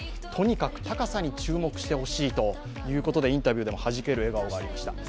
とにかく高さに注目してほしいということでインタビューでもはじける笑顔がありました。